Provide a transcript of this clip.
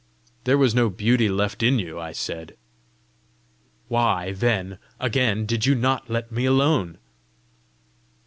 "There was no beauty left in you," I said. "Why, then, again, did you not let me alone?"